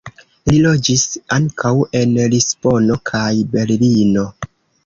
Li loĝis ankaŭ en Lisbono kaj Berlino.